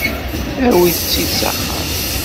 Awi-tt-id s axxam.